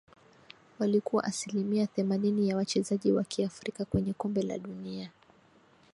walikuwa asilimia themanini ya wachezaji Wa kiafrika kwenye kombe la dunia